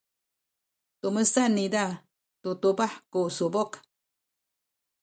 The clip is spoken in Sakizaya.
tumesan niza tu tubah ku subuk.